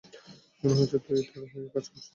মনে হচ্ছে তুই তার হয়ে কাজ করছিস!